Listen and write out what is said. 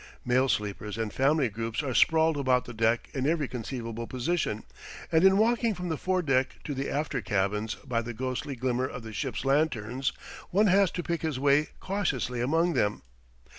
Male sleepers and family groups are sprawled about the deck in every conceivable position, and in walking from the foredeck to the after cabins by the ghostly glimmer of the ship's lanterns, one has to pick his way cautiously among them.